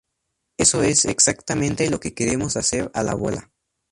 Eso es exactamente lo que queremos hacer a la bola.